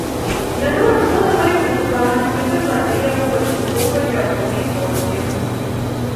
Яно расло даволі хутка, нібы з вады яго падштурхоўвалі акуні і плоткі.